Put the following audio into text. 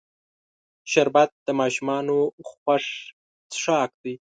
شربت د ماشومانو خوښ څښاک دی